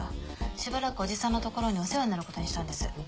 しばらくおじさんのところにお世話になることにしたんです。